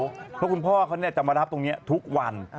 เพราะคุณพ่อเขาจะมารับตรงนี้ทุกวัน